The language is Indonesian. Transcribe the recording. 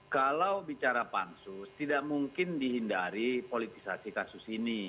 kalau bicara pansus tidak mungkin dihindari politisasi kasus ini